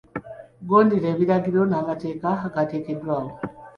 Gondera ebiragiro n'amateeka agateekeddwawo.